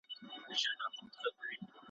دواړي یو له بله ګراني نازولي ,